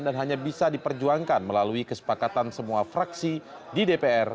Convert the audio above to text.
dan hanya bisa diperjuangkan melalui kesepakatan semua fraksi di dpr